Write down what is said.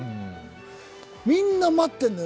みんな待ってんのよ、